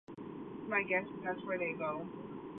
My guess is that's where they would go.